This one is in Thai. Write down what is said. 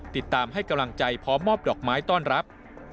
ติดตามให้กำลังใจพร้อมมอบดอกไม้ต้อนรับ